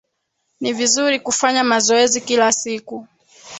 Ni vizuri kufanya mazoezi kila siku.